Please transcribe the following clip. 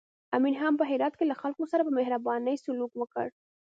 امیر هم په هرات کې له خلکو سره په مهربانۍ سلوک وکړ.